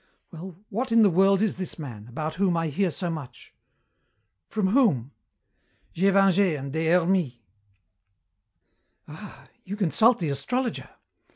"Well, what in the world is this man, about whom I hear so much?" "From whom?" "Gévingey and Des Hermies." "Ah, you consult the astrologer!